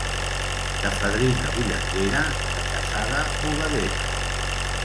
De fadrina bullanguera, de casada bugadera.